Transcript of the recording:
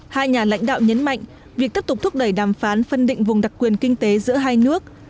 hai nhà lãnh đạo nhấn mạnh việc tiếp tục thúc đẩy đàm phán phân định vùng đặc quyền kinh tế giữa hai nước